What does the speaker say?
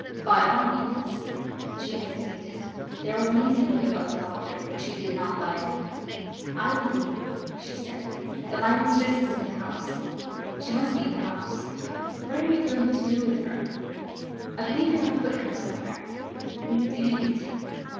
"By all means." She hesitated. There was an easy look about the doctor which she did not like. "I believe," she said, "that my mistress is in the house. She must be in the house. What are you going to do with her? I believe you have put her somewhere." "Indeed!"